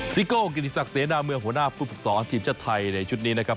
ซิโก้กิติศักดิเสนาเมืองหัวหน้าผู้ฝึกสอนทีมชาติไทยในชุดนี้นะครับ